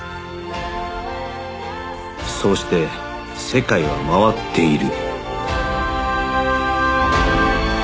そうして世界は回っている